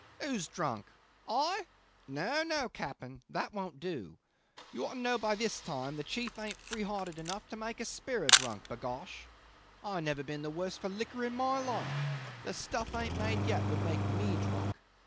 'Who's drunk? I? No, no, captain! That won't do. You ought to know by this time the chief ain't free hearted enough to make a sparrow drunk, b'gosh. I've never been the worse for liquor in my life; the stuff ain't made yet that would make me drunk.